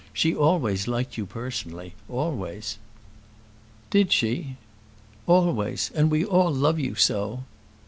"She always liked you personally, always." "Did she?" "Always. And we all love you so."